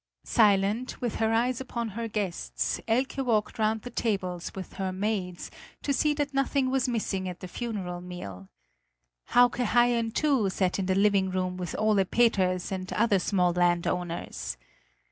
Silent, with her eyes upon her guests, Elke walked round the tables with her maids, to see that nothing was missing at the funeral meal. Hauke Haien, too, sat in the living room with Ole Peters and other small landowners.